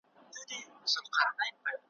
په خپل حکم به سنګسار وي خپل بادار ته شرمېدلی ,